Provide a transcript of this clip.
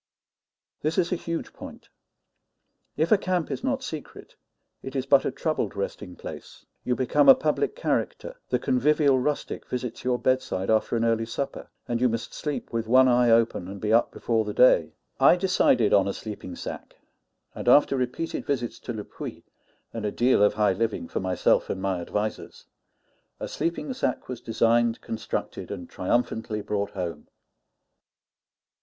This is a huge point. If a camp is not secret, it is but a troubled resting place; you become a public character; the convivial rustic visits your bedside after an early supper; and you must sleep with one eye open, and be up before the day. I decided on a sleeping sack; and after repeated visits to Le Puy, and a deal of high living for myself and my advisers, a sleeping sack was designed, constructed, and triumphantly brought home.